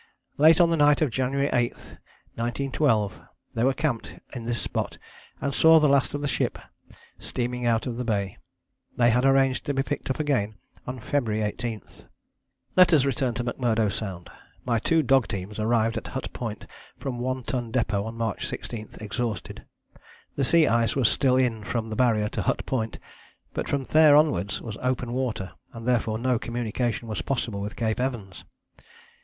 Late on the night of January 8, 1912, they were camped in this spot and saw the last of the ship steaming out of the bay. They had arranged to be picked up again on February 18. Let us return to McMurdo Sound. My two dog teams arrived at Hut Point from One Ton Depôt on March 16 exhausted. The sea ice was still in from the Barrier to Hut Point, but from there onwards was open water, and therefore no communication was possible with Cape Evans.